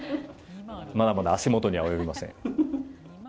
まだまだ足元にも及びません。